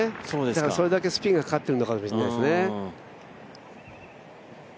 だからそれだけスピンがかかってるのかもしれないですね。